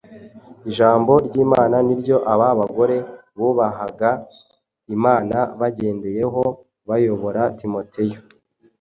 Ijambo ry’Imana niryo aba bagore bubahaga Imana bagendeyeho bayobora Timoteyo.